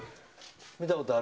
見たことある？